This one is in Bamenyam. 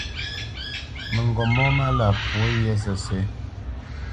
Mǝŋgop mó málá pwǒ wyê sǝ́sǝ̂.